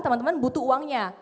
teman teman butuh uangnya